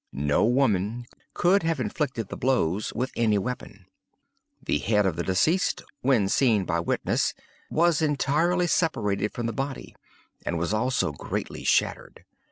No woman could have inflicted the blows with any weapon. The head of the deceased, when seen by witness, was entirely separated from the body, and was also greatly shattered.